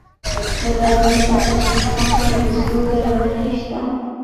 د غزني په اجرستان کې د سرو زرو نښې شته.